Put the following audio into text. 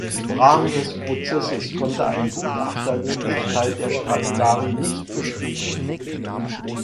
Im Rahmen des Prozesses konnte ein Gutachter die Echtheit der Stradivari nicht bestätigen.